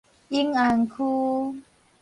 永安區